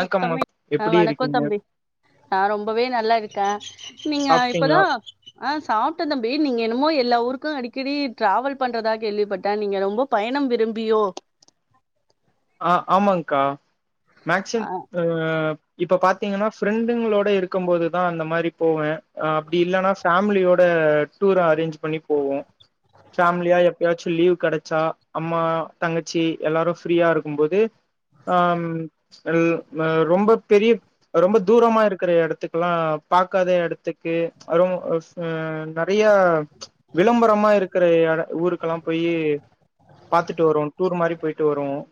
ம் தம்பி ஆஹ் எப்டி வணக்கம் இருக்கீங்க தம்பி நா ரொம்பவே நல்லா இருக்கேன் நீங்க சாப்ட்டீங்களா இப்பதான் ஆஹ் சாப்பிட்டன் தம்பி நீங்க என்னமோ எல்லா ஊருக்கும் அடிக்கடி டிராவல் பண்றதா கேள்விப்பட்டேன் நீங்க ரொம்ப பயணம் விரும்பியோ ஆஹ் ஆமாங்க்கா மேக்சிம் ஆ ஆஹ் இப்ப பாத்தீங்கன்னா ஃப்ரெண்டுங்களோட இருக்கும் போதுதான் அந்த மாரி போவேன் ஆஹ் அப்டி இல்ன்னா ஃபேமிலியோட ம் டூர் அரேஞ் பண்ணி போவோம் ஃப்பேமிலியா எப்பயாச்சும் லீவு கிடைச்சா அம்மா தங்கச்சி எல்லாரும் ஃப்ரீயா இருக் இருக்கும்போது அஹ் ரொம்ப பெரிய ரொம்ப தூரமா இருக்கிற எடத்துக்குல்லாம் பார்க்காத எடத்துக்கு [unintelligible] அஹ் நறையா விளம்பரமா இருக்கிற இட ஊருக்கெல்லாம் போயி பாத்துட்டு வருவோம் டூர் மாரி போயிட்டு வருவோம்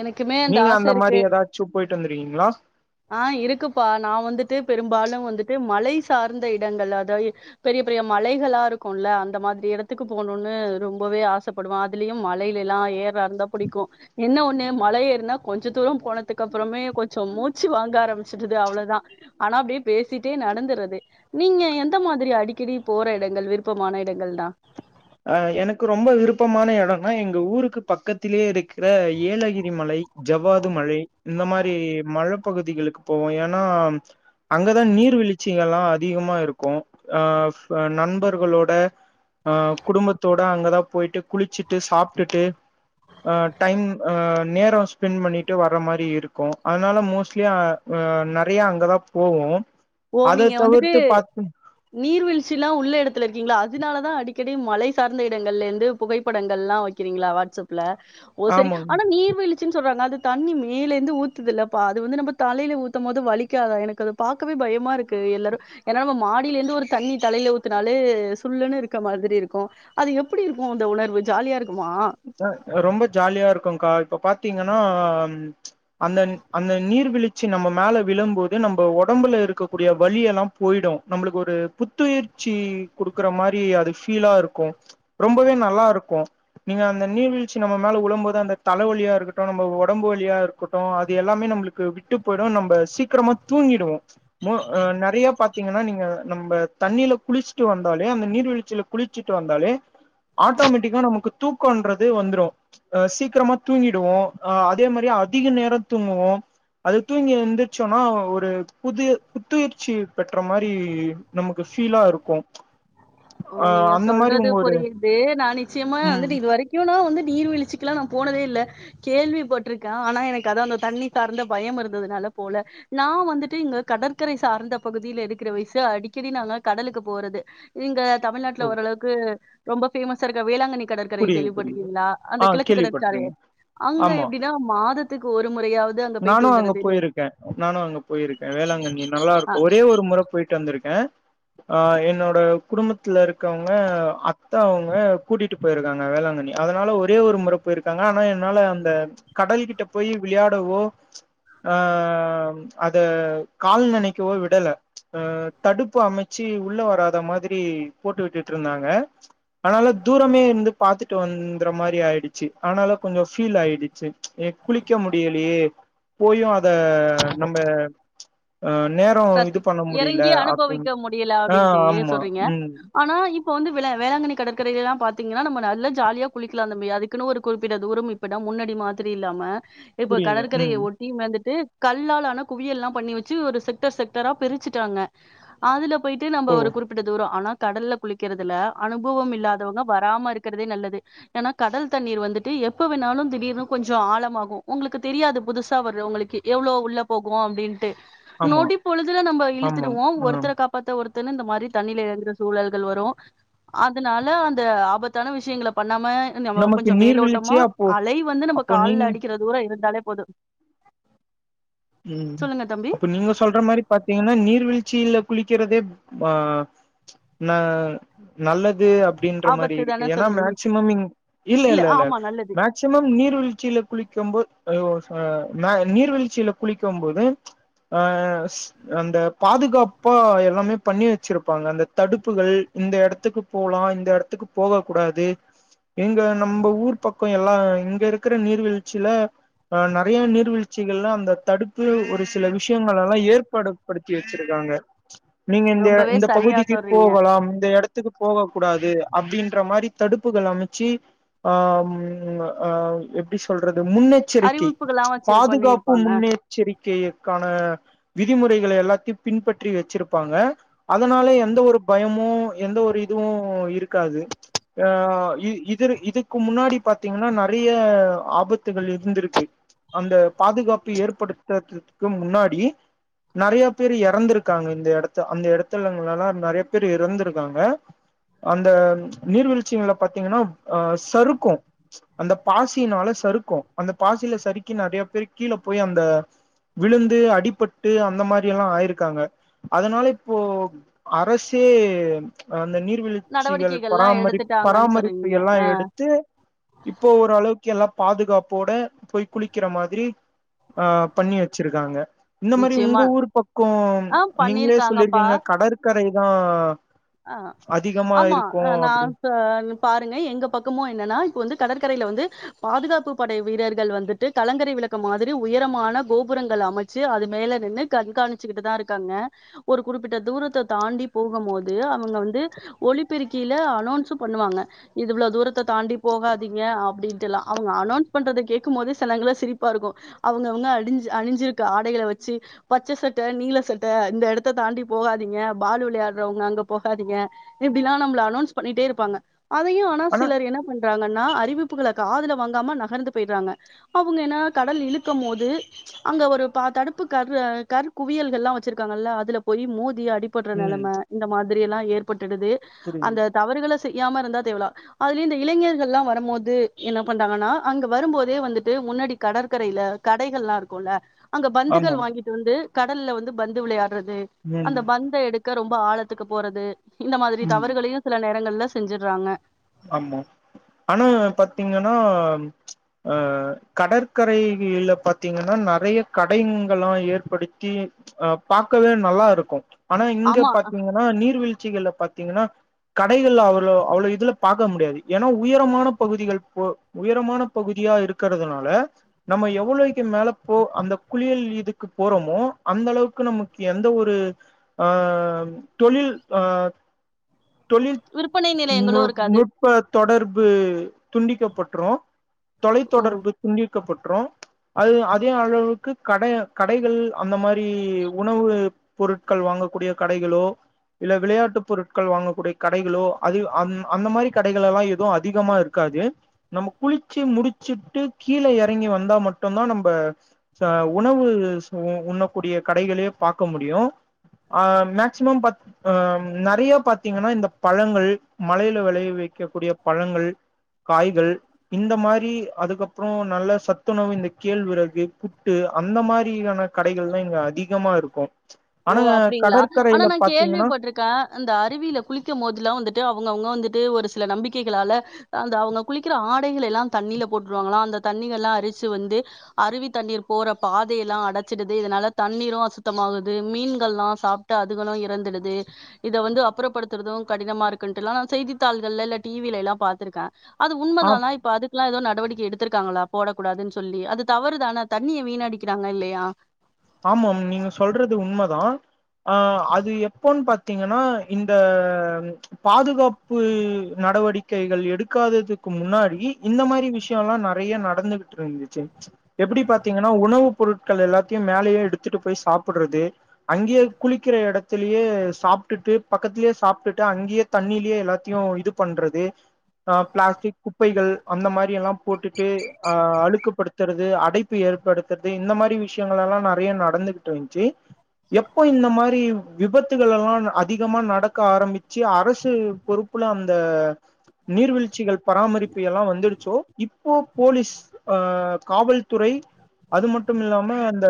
எனக்குமே நீங்க ஆச அந்த மாரி ஏதாச்சும் போயிட்டு வந் தெரியுங்களா ஆஹ் இருக்குப்பா நான் வந்துட்டு பெரும்பாலும் வந்துட்டு மலை சார்ந்த இடங்கள் அதாது பெரிய பெரிய மலைகளா இருக்கும்ல அந்த மாதிரி இடத்துக்கு போணும்ன்னு ரொம்பவே ஆசைப்படுவேன் அதுலயும் மலையில எல்லாம் ஏற்றதாருந்தா புடிக்கும் என்ன ஒண்ணு மலை ஏருனா கொஞ்ச தூரம் போனத்துக்கு அப்புறமே கொஞ்சம் மூச் ஆரம்பிச்சுடுது அவ்வளோதான் ஆனா அப்படியே பேசிட்டே நடந்துறது நீங்க எந்த மாதிரி அடிக்கடி போற இடங்கள் விருப்பமான இடங்கள் தான் அஹ் எனக்கு ரொம்ப விருப்பமான எடம்னா எங்க ஊருக்கு பக்கத்திலேயே இருக்கிற ஏலகிரி மலை ஜவ்வாது மழை இந்த மாதிரி மழப்பகுதிகளுக்கு போவோம் ஏன்னா அங்கதான் நீர்வீழ்ச்சிகள் எல்லாம் அதிகமா இருக்கும் அஹ் நண்பர்களோட அஹ் குடும்பத்தோட அங்கதான் போயிட்டு குளிச்சுட்டு சாப்பிட்டுட்டு அஹ் டைம் அஹ் நேரம் ஸ்பெண்ட் பண்ணிட்டு வர்ற மாதிரி இருக்கும் அதனால மோஸ்ட்லி ஹன் நிறைய அங்கதான் போவோம் ஓ நீங்க வந்துட்டு நீர்வீழ்ச்சில்லாம் உள்ள இடத்துல இருக்கீங்களா அத் அதனால தான் அடிக்கடி மழை சார்ந்த இடங்கள்ல இருந்து புகைப்படங்கள்லாம் வைக்கிறீங்களா வாட்ஸ்அப்ல ஓ சரி ஆமாங்க ஆனா நீர் வீழச்சின் சொல்றாங்க அது தண்ணி மேலே இருந்து ஊத்துதல்ல பா அது வந்து நம்ம தலையில் ஊத்தும் போது வலிக்காத எனக்கு பார்க கவே பயமா இருக்கு எல்லாரும் ஏன்னா நம்ம மாடியில இருந்து ஒரு தண்ணி தலையில ஊத்தினாலே சுல்லுனு இருக்க மாதிரி இருக்கும் அது எப்படி இருக்கும் அந்த உணர்வு ஜாலியா இருக்கு ரொம்ப ஜாலியா இருக்கும்கா இப்ப பாத்தீங்கன்ணா அந்த அந்த நீர்வீழ்ச்சி நம்ம மேல விழும்போது நம்ம ஒடம்புல இருக்கக்கூடிய வலி எல்லாம் போயிடும் நம்ளுக்கு ஒரு புத்துயிற்சி கொடுக்குற மாரி அது ஃபீலா இருக்கும் ரொம்பவே நல்லா இருக்கும் நீங்கள் அந்த நீர்வீழ்ச்சி நம்ம மேலே உழும்போது அந்த தலைவலியாக இருக்கட்டும் நம்ம உடம்பு வழியாக இருக்கட்டும் அது எல்லே நமளுக்கு விட்டு போயிடும் நம்ம சீக்கிரமாக தூங்கிடுவோம் மோ ஹ நறைய பாத்தீங்கன்னா நீங்க நம்ம தண்ணியில குளிச்சுட்டு வந்தாலே அந்த நீர்வீழ்ச்சியில குளிச்சுட்டு வந்தாலே ஆட்டோமேட்டிக்கா நமக்கு தூக்கன்றது வந்துடும் அஹ் சீக்கிரமா தூங்கிடுவோம் அஹ் அதே மாரி அதிக நேரம் தூங்குவோம் அது தூங்கி இருந்துிரச்சோன்னா ஒரு புது புத்துயூர்சி பெற்ற மாரி நமக்கு ஃபீலா இருக்கும் ஓ நீங்க சொல்றது புரியுது நான் நிச்சயமா ம் வந்துட்டு இது வரைக்கும் நான் வந்துட்டு நீர்வீழ்சச்சுக்குல்லாம் நான் போனதே இல்லை கேள்விப்பட்டட்டிருக்கேன் ஆனா எனக்கு அதான் அந்த தண்ணி சார்ந்த பயம் இருந்ததுனால போல நான் வந்துட்டு இங்க கடற்கரை சார்ந்த பகுதியில இருக்கிற வயசு அடிக்கடி நாங்க கடலுக்கு போறது இங்க ஓ, தமிழ்நாட்டுல ஓரளவுக்கு ரொம்ப பேமஸா இருக்க வேளாங்கண்ணி கடற்கரை புரியுது புரியுது கேள்விப்பட்டுருக்கீங்களா? அந்த ஆஹ் கிழக்கு கடற்கரை. கேள்விப்பற்றுக்கேன் அங்க ஆமா எப்டின்னா மாதத்துக்கு ஒரு முறையாவது அங்க போயிட்டு நானும் அங்க வந்துறதுன்னு போயிருக்கேன் நானும் அங்க போயிருக்கேன் வேளாங்கண்ணி நல்லா ஆ இருக்கும் ஒரே ஒரு முறை போயிட்டு வந்திருக்கேன் அஹ் என்னோட குடும்பத்துல இருக்கவங்க அத்தா அவங்க கூட்டிட்டு க்க வேளாங்கண்ணி அதனால ஒரே ஒரு முறை போயிருக்காங்க ஆனா என்னால அந்த கடல கிட்ட போய் விளையாடவோஹ அத கால் நினைக்கவோ விடல தடுப்பு அமைச்சு உள்ள வராத மாதிரி போட்டு விட்டுட்டு இருந்தாங்க அதனால தூரமே இருந்து பாத்துட்டு வந்துற மாதிரி ஆயிடுச்சு ஆனால கொஞ்சம் ஃபீல் ஆயிடுச்சு ஏ குளிக்க முடியலையே போயும் அத நம்ப [unintelligible] இறங்கி அப்டின்னு அனுபவிக்க முடியல ஆ அப்படின்ட்டு ஆமா சொல்றீங்க ம் ஆனா இப் இப்போ வந்து வே வேளாங்கண்ணி கடற்கரையில எல்லாம் பாத்தீங்கன்னா நம்ம நல்லா ஜாலியா குளிக்கலாம் அமி அதுக்குன்னு ஒரு குறிப்பிட தூரம் இப்பதான் முன்னாடி மாதிரி இல்லாம இப்ப புரியுங்க கடற்கரையை ம் ஒட்டி மேந்துட்டு கல்லாலான குவியல்ல்லாம் பண்ணி வச்சு ஒரு ட்டர் செக்டரா பிரிச்சிட்டாங்க அதுல போயிட்டு நம்ம ஓ ஒரு குறிப்பிட்ட தூரம் ஆனா கடல்ல குளிக்கிறதுல அனுபவம் இல்லாதவங்க வராம இருக்கிறதே நல்லது ஏன்னா கடல் தண்ணீர் வந்துட்டு எப்ப வேணாலும் திடீர்னு கொஞ்சம் ஆழமாகும் உங்களுக்கு தெரியாது புதுசா வர்ற உங்களுக்கு எவ்வளோ உள்ள போகும் அப்படின்னுட்டு ஆமா நொடி பொழுதுல நம் ஆமாம் இழுத்துடுவோம் ஆம் ஒருத்தரை காப்பாத்த ஒருத்த இந்த மாதிரி தண்ணில இரங்குற சூழல்கள் வரும் அதனால அந்த ஆபத்தான விஷயங்க ப நம்ம நமக்கு கொஞ்சம் மேலோட்டமா நீர்வீழ்ச்சியே அப்போ அலை வந்து நம்ம அப்போ நீங்க கால்ல அடிக்கிற தூரம் இருந்தாலே போதும் உம் சொல்லுங்க தம்பி அப்ப நீங்க சொல்ற மாரி பாத்தீங்கன்னா நீர்வீழ்ச்சியில குளிக்கிறதே ஆஹ் நான் நல்லது அப்படின்ற மாரி ஆபத்து இருக்கு தான ஏன்னா சொல்றீங்க மேக்சிமம் இ இல்ல இல்ல இல்ல ஆமா நல்லது மேக்சிமம் நீர்வீழ்ச்சியில குளிக்கும் போது ஆ மா நீர்வீழ்ச்சியில்லா குளிக்கும் போது அஹ் அந்த பாதுகாப்பா எல்லாமே பண்ணி வச்சிருப்பாங்க அந்த தடுப்புகள் இந்த இடத்துக்கு போகலாம் இந்த இடத்துக்கு போக கூடாது எங்க நம்ப ஊர் பக்கம் எல்லாம் இங்க இருக்கிற நீர்வீழ்ச்சியில அஹ நிறைய நீர்வீழ்ச்சிகள்லா அந்த தடுப்பு ஒரு சில விஷயங்கலாம் எல்லாம் ஏற்படுத்தி வச்சிருக்காங்க நீங்க இந்த ரொம்பவே இந்த சரியா பகுதிக்கு சொல்றீங்க போகலாம் இந்த இடத்துக்கு போக கூடாது அப்புடின் என்ர மாரி தடுப்புகள் அமைச்சு ஆ அம் எப்படி சொல்றது முன்னெச்சரிக்கை அறிவிப்புகள்லாம் வச்சிரு பாதுகாப்பு பண்ணியிருப்பாங்க முன்னேற் கோரிக்கான விதிமுறைகளை எல்லாத்தையும் பின்பற்றி வச்சிப்பாங்க அதனாலேயே எந்த ஒரு பயமும் எந்த ஒரு இதுவும் இருக்காது ஆஹ இது இதுக்கு முன்னாடி பாத்தீங்கன்னா நிறைய ஆபத்துகள் இருந்திருக்கு அந்த பாதுகாப்பு ஏற்படுத் க்கு முன்னாடி நெறைய பேர் இறந்திருக்காங்க இந்த இடத்த அந்த இடத்துலங்களல்லாம் நெறைய பேர் இறந்திருக்காங்க அந்த நீர்வீழ்ச்சிகளை பாத்தீங்கன்னா அஹ் சறுக்கும் அந்த பாசினால சறுக்கும் அந்த பாசியில சறுக்கி நிறைய பேர் கீழே போய் அந்த விழுந்து அடிபட்டு அந்த மாதிரியி ல்லாம் ஆயிருக்காங்க அதனால இப்போ அரசே அந்த நீர் வீழ்ச்சிகள் நடவடிக்கைகள்லாம் பராமரி எடுத்துட்டாங்கன்னு பராமரிப்பு சொல்றீங்க எல்லாம் எடுத்து இப்போ ஓரளவுக்கு எல்லாம் பாதுகாப்போட போய் குளிக்கிற மாதிரி ஆஹ் பண்ணி வச்சிருக்காங்க நிச்சயமா ஊர் பக்கோ ஆஹ் நீங்களே பண்ணிருக்காங்கப்பா சொல்லிருக்கீங்க கடற்கரை தா ஆஹ் அதிகமா ஆமா இருக்கு ஆஹ் நான் அப்டின் செ பாருங்க எங்க பக்கமும் என்னன்னா இப்ப வந்து கடற்க கடல் கரையில் வந்து பாதுகாப்பு படை வீரர்கள் வந்துட்டு கலங்கரை விளக்க மாதிரி உயரமான கோபுரங்கள் அமைச் வைச்சு அது மேல நின்னு கண்காச்சி ட்டு தான் இருக்காங்க ஒரு குறிப்பிட்ட தூரத்தை தாண்டி போகும் போது அவங்க வந்து ஒளிபெருக்கிலா அலேன்ஸ் பண்ணுவாங்க இ்ளவு தூரத்தை தாண்டி போகாதிங்க அப்புடிட் அவுங் அனேன்ஸ் பன்றது கேக்கும் போது சிரிப்பா இரு அவங்கங்க அடிஞ் ஆடைகளை வச்சு பச்சை சட்டை நீல சட்டை இந்த இடத்த தாண்டி போகாதீங்க பாலு விளையாடுறவங்க அங்க போகாதீங்க இப்படி எல்லாம் நம்ல அனோன்ஸ் பண்ணிட்டே இருப்பாங்க அதையும் ஆனா சிலர் என்ன பண்றாங்கன்னா அ அறிவிப்புகள காதுல வாங்காம நகர்ந்து போயடுறாங்க அவங்க என்ன கடல் இழுக்கும் போது அங்க ஒரு ப தடுப்பு கர் கல் குவியல்கள்லா வச்சிருக்காங்கல்ல அதுல போய் மூத் ஊழுந்து அடிபடுற ம் னேலம இந்த மாதிரி எப்புடியெல்லாம் ஏற்பட் படுது புரியுது அந்த தவறுகளை செஞ் செய்யாம இருந்தா தேவலா அதுலயும் இந்த இளைஞர்கள் எல்லாம் வரும்போது என்ன பண்றாங்கன்னா அங்க வரும்போதே வந்துட்டு முன்னாடி கடற்கரையில கடைகள் எல்லாம் இருக்குல்ல அங்க பந்துகள் ஆமாம் வாங்கிட்டு வந்து கடல்ல வந்துபந்து விளையாடு அது ம் அந்த பந்தெடுக்க ரொம் ரொம்ப ஆழத்துக்கு போறது இந்த மாதிரி ம் தவறுகளையும் சில நேரம் எங்கள்ல செஞ்சடுறாங்க ஆமா ஆனா பாத்தீங்கன்னா அஹ் கடற்கரைகயிலா பாத்தீங்கன்னா நிறைய கடைங்கலாம் ஏற்படுத்தி அஹ் பாக்கவே நல்லா இருக்கும் ஆனா இங்க ஆமா பாத்தீங்கன்னா நீர்விழ் சிகல்லா பாத்தீங்கன்னா கடைகள அவ்வளோ இது பார்க்க முடியாது ஏன்னா உயரமான பகுதிகள் போ உயரமான பகுதியா இருக்கிறதுனால நம்ம எவ்வளோக்கு மேல போ அந்த குளியல் இதுக்கு போறோமோ அந்த அளவுக்கு நமக்கு எந்த ஒரு தொழில் விற்பனை நிலையங்களும் இருக் நுட் நுட்ப தொடர்பு துண்டிக்கப்பட்ரும் ஓ தொலைத்தொடர்பு துண்டிக்கப்பட்டு அ அதே அளவுக்கு கடை கடைகள் அந்த மாரி உணவு பொருட்கள் வாங்கக்கூடிய கடைகளோ இல்ல விளையாட்டு பொருட்கள் வாங்கக்கூடிய கடைகளோ அது அது அந்த மாரி கடைகளெல்லாம் எதுவும் அதிகமா இருக்காது நம்ம குளிச்சு முடிச்சுட்டு கீழே இறங்கி வந்தா மட்டம்தான் நம்ப உணவு உண்ணக்கூடிய கடைகளே பாக்க முடியும் ஆ மேக்சிமம் ஹ நெறைய பாாரத்தீங்கன்னா இந்த பழங்கள் மலையில வெளைைய வைக்கக்கூடிய பழங்கள் காய்கள் இந்த மாரி அதுக்கப்பறம் நல்ல சத்துணவு இந்த கேழ்வரகு புட்டு அந்த மாரியான கடைகள் தான் இங்க அதிகமா இருக்கும் ஓ அப்படிங்களா ஆனா நான் பாத்தீங்கன்னா கேள்விப்பட்ருக்கேன் இந்த அருவியில குளிக்கும் போதெல்லாம் வந்து அவங்கவுங்க வந்துட்டு ஒரு சில நம்பிக்கைகளால அ அவங்க குளிக்கிற ஆடைகளையெல்லாம் தண்ணில போட்டுருவாங்களாம் அந்த தண்ணகங்ல்லாம் அரிச்சு வந்து அருவி தண்ணீர் போற பாதயெல்லாம் அடைச்சிடுது இதனால தண்ணீரும் அசுத்தமாகுது மீன்கள்ல்லாம் சாப்பிட்டு அதுகளும் இறந்துடுது இத வந்து அப்புறப்படுத்துறதும் கடினமா இருக்குன்ட்டு எல்லாம் நான் செய்தித்தாள்கள்ல இல்ல டிவில எல்லாம் பாத்திருக்கேன் அது ஆ உண்மதானான் இப்ப அது ல்லாம் ஏதோ நடவடிக்கை எடுத்திருக்காங்களா போடக்கூடாதுன்னு சொல்லி அது தவறுதான தண்ணியை வீணடிக்கிறாங்க இல்லையா ஆமா நீங்க சொல்றது உண்மைதான் அ அது எப்போன்னு பாத்தீங்கன்னா இந்த பாதுகாப்பு நடவடிக்கைகள் எடுக்காததுக்கு முன்னாடி இந்த மாரி விஷயம் எல்லாம் நெறைய நடந்துகிட்டு இருந்துச்சு எப்படி பாத்தீங்கன்னா உணவு பொருட்கள் எல்லாத்தையும் மேலே எடுத்துட்டு போய் சாப்பிடுறது அங்கயே குளிக்கிற எடத்திலயே சாப்பிட்டுட்டு பக்கத்தில சாப்பிட்டு அங்கயே தண்ணில எல்லாத்தையும் இது பண்றது பிளாஸ்டிக் குப்பைகள் அந்த மாதிரி எல்லாம் போட்டுட்டு அழுக்குப்படுத்துறது அடைப்பு ஏற்படுத்துறது இந்த மாதிரி விஷயம் ங்கல்லாம் நெறைய நடந்துகிட்டு இருந்துச்சு எப்போ இந்த மாரி விபத்துகள் எல்லாம் அதிகமா நடக்க ஆரம்பிச்சு அரசு பொறுப்புல அந்த நீர்வீழ்ச்சிகள் பராமரிப்பு எல்லாம் வந்துடுச்சோ இப்போ போலீஸ் அ காவல்துறை அது மட்டுமில்லாம அந்த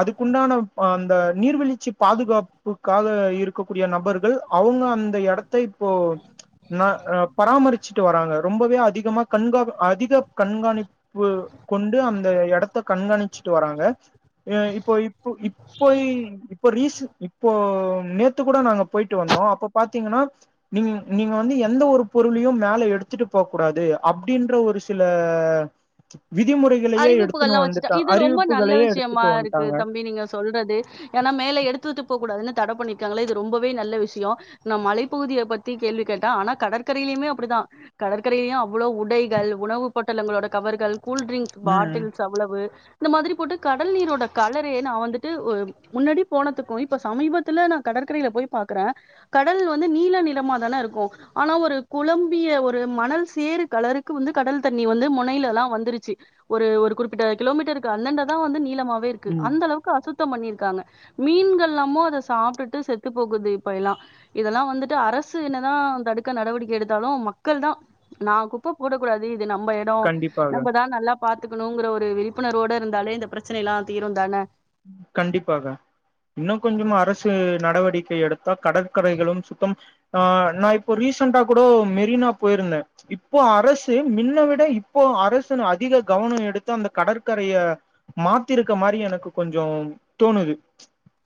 அதுக்குண்டான அந்த நீர்வீழ்ச்சி பாதுகாப்புக்காக இருக்கக்கூடிய நபர்கள் அவங்க அந்த எடத்த இப்போ ந பராமரிச்சுட்டு வராங்க ரொம்பவே அதிகமா கண்கா அதிக கண்காணிப்பு கொண்டு அந்த எடத்த கண்காணிச்சு ட்டு வராங்க இப்போ இப்ப இப்போ இப்போ ரீசன் இப்போ நேத்து கூட நாங்க போயிட்டு வந்தோம் அப்ப பாத்தீங்கன்னா நீங் நீங்க வந்து எந்த ஒரு பொருளையும் மேல எடுத்துட்டு போக கூடாது அப்டின்ற ஒரு சில விதிமுறைகளையே எடுத்துன்னனு அறிவிப்புகள்லாம் வச்சுட்டா வந்துட்டான் இது ரொம்ப அறிவிப்பு நல்ல விஷயமா இருக்கு தம்பி நீங்க சொல்றது ஏன்னா மேல எடுத்துட்டு [inaudible] கூடாதுன்னு தட பண்ணிருக்காங்கல ரொம்பவே நல்ல விஷயம் ஆனா மலைப்பகுதியை பத்தி கேள்வி கேட்டன் ஆனா கடற்கரைலேயும் அப்டிதான் கடற்கரையிலேயும் அவ்ளோ உடைகள் உணவு பொட்லட்ங்களோட கவர்கள் கூல்ட்ரிங் ம் பாட்டில்ஸ் அவ்வளவு இந்த மாதிரி போட்டு காட் கடல் நீரோட கலரே நா வந்துட்டு ட்டு முன்னாடி போனதுக்கும் இப்ப சமீபத்துல நான் கடற்கரையில போய் பாக்குறேன் கடல் வந்து நீல நிறமா தானே இருக்கும் ஆனா ஒரு குழம்பிய ஒரு மணல் சேறு கலருக்கு வந்து கடல் தண்ணி வந்து முனையிலல்லாம் வந்துருச்சு ஒரு ஒரு குறிப்பிட்ட கிலோமீட்டருக்கு அந்தாண்ட தான் வந்து நீல லமாவே இருக்கு ம் அந்த அளவுக்கு அசுத் சுத்த பண்ணிருக்காங்க மீன்கள்ல்லாமோ அத சாப்பிட்டுட்டு செத்து போக்குது இப்ப எல்லாம் இதெல்லாம் வந்துட்டு அரசு என்னதான் தடுக்க நடவடிக்கை எடுத்தாலும் மக்கள் தான் நா குப்ப போடக்கூடாது இது நம்ம எடம் கண்டிப்பாக நம்ம தான் நல்லா பாத்துக்கணுங்கிற ஒரு விழிப்புணர்வோடு இருந்தாலே இந்த பிரச்சனை எல்லாம் தீரும் தானே கண்டிப்பாக இன்னும் கொஞ்சமா அரசு நடவடிக்கை எடுத்தா கடற்கரைகளும் சுத்தம் ஆ நான இப்போ ரீசண்டா கூட மெரினா போயிருந்தேன் இப்போ அரசு மின்ன விட இப்போ அரசு இன்னும் அதிக கவனம் எடுத்து அந்த கடற்கரைய மாத்திருக்க மாரி எனக்கு கொஞ்சம் தோணுது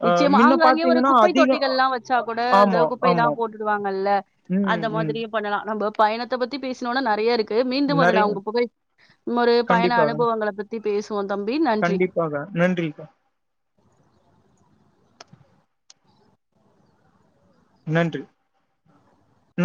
ஆ நிச்சயமா மின்ன ஆங்காங்கயே ஒரு பாத்தீங்கன்னா குப்பை அதிக தொட்டிகள் எல்லாம் வச்சா கூட ஆமா இந்தகுப்பை ஆமா எல்லாம் போட்டுவாங்கல்ல ம் அந்த ம் மாதிரியே பண்ணலாம் நம்ப பயணத்தை பத்தி பேசனோனே நெறைய இருக்கு மீண்டும் ஒரு நா நெறைய உங்க புகை ஒரு பயண அனுபவங்களை பத்தி பேஸ் கண்டிப்பாங்க நன்றி நன்றி நன்